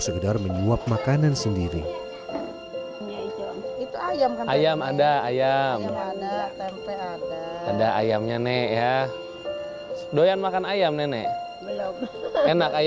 segedar menyuap makanan sendiri itu ayam ayam ada ayam ada ayamnya nek ya doyan makan ayam nenek enak